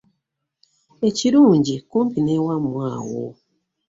Ekirungi kumpi n'ewammwe awo.